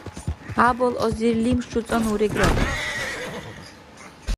хӀябал азирлим шуцӀанну урегра